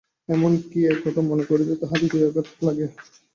এমন-কি, এ কথা মনে করিতে তাঁহার হৃদয়ে আঘাত লাগে।